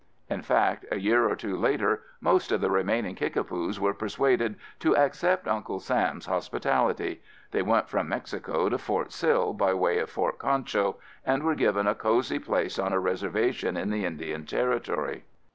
In fact a year or two later most of the remaining Kickapoos were persuaded to accept Uncle Sam's hospitality. They went from Mexico to Fort Sill, by way of Fort Concho, and were given a cozy place on a reservation in the Indian Territory.